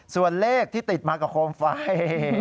ส่วนเลขที่ติดมากับโคมไฟ